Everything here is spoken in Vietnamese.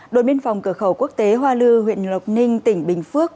đồn biên phòng cửa khẩu quốc tế hoa lư huyện lộc ninh tỉnh bình phước